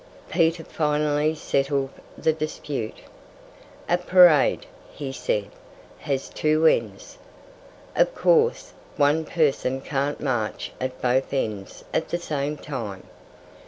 Peter finally settled the dispute. "A parade," he said, "has two ends. Of course, one person can't march at both ends at the same time.